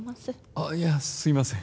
あっ、いや、すいません